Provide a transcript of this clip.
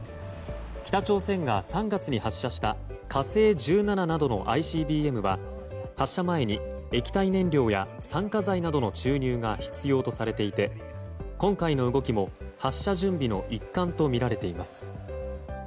北朝鮮が３月に発射した「火星１７」などのＩＣＢＭは発射前に、液体燃料や酸化剤などの注入が必要とされていて今回の動きも発射準備の一環とみられています。